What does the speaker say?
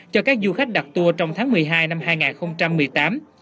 cho các du khách đặt tour trong tháng một mươi hai năm hai nghìn một mươi tám